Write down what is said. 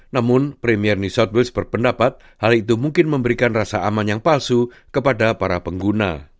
namun premierni southers berpendapat hal itu mungkin memberikan rasa aman yang palsu kepada para pengguna